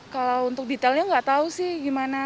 kalau untuk detailnya nggak tahu sih gimana